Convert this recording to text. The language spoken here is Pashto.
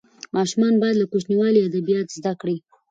ماشومان باید له کوچنیوالي ادبیات زده کړي.